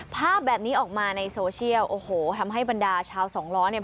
ภาพแบบนี้ออกมาในโซเชียลโอ้โหทำให้บรรดาชาวสองล้อเนี่ย